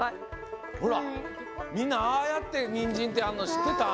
ほらみんなああやってニンジンってあるのしってた？